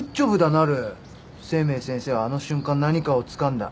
清明先生はあの瞬間何かをつかんだ。